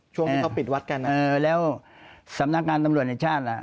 ช่วงที่เขาปิดวัดกันเออแล้วสำนักงานตำรวจแห่งชาติล่ะ